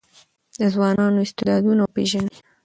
د ځوانانو استعدادونه وپېژنئ.